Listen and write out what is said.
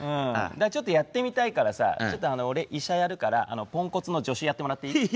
だからちょっとやってみたいからさちょっと俺医者やるからポンコツの助手やってもらっていい？